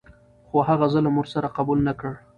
خو هغه ظلم ور سره قبوله نه کړه.